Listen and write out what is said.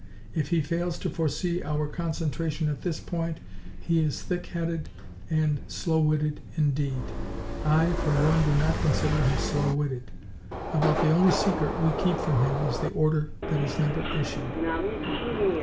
If he fails to foresee our concentration at this point, he is thick headed and slow witted indeed. I, for one, do not consider him slow witted. About the only secret we keep from him is the order that is never issued."